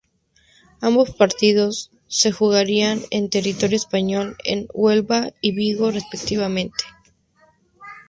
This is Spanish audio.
Ambos partidos se jugarían en territorio español, en Huelva y Vigo respectivamente.